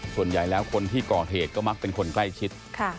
ส่วนใหญ่แล้วคนที่ก่อเหตุก็มักเป็นคนใกล้ชิด